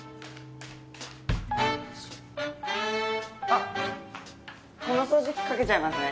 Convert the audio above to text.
あっこの掃除機かけちゃいますね。